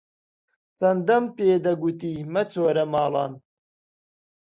چەندەم پێ دەکوتی مەچۆرە ماڵان